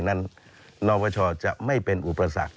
นวชจะไม่เป็นอุปสรรค